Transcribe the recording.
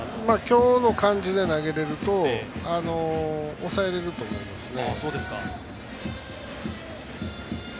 今日の感じで投げれると抑えられると思いますね。